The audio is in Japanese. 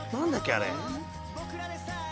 あれ。